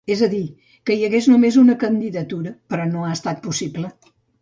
És a dir, que hi hagués només una candidatura, però no ha estat possible.